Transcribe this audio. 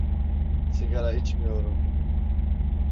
Sigara içmiyorum.